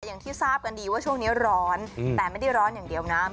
อย่างที่ทราบกันดีว่าช่วงนี้ร้อนแต่ไม่ได้ร้อนอย่างเดียวนะ